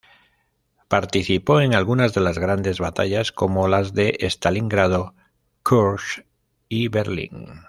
Participó en algunas de las grandes batallas, como las de Stalingrado, Kursk y Berlín.